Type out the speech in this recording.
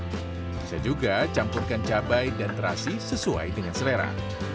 bisa juga campurkan cabai dan terasi sesuai dengan selera